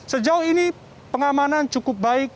sejauh ini pengamanan cukup baik